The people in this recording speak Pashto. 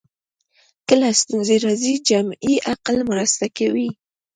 کله ستونزې راځي جمعي عقل مرسته کوي